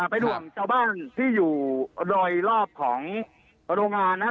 เป็นห่วงเจ้าบ้านที่อยู่โดยรอบของโรงงานนะ